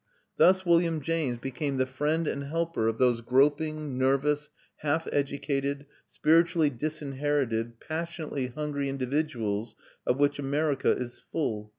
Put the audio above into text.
Thus William James became the friend and helper of those groping, nervous, half educated, spiritually disinherited, passionately hungry individuals of which America is full.